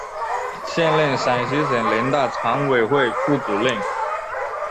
现任陕西省人大常委会副主任。